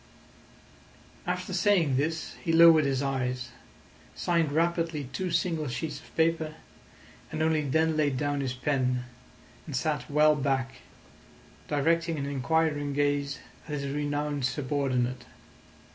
After saying this he lowered his eyes, signed rapidly two single sheets of paper, and only then laid down his pen, and sat well back, directing an inquiring gaze at his renowned subordinate.